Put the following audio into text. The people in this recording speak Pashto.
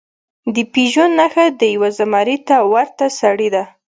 د پېژو نښه د یو زمري ته ورته سړي ده.